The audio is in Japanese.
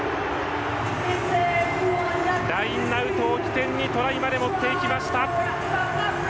ラインアウトを起点にトライまで持っていきました。